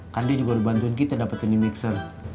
kan dia juga udah bantuin kita dapetin di mixer